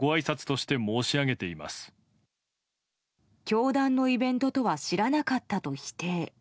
教団のイベントとは知らなかったと否定。